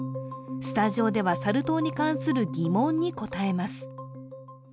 スタジオではサル痘に関する疑問に答えます。